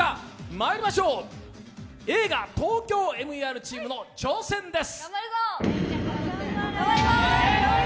まいりましょう、「映画ＴＯＫＹＯＭＥＲ」チームの挑戦です。